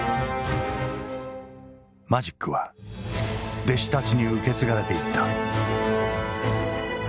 マジックは弟子たちに受け継がれていった。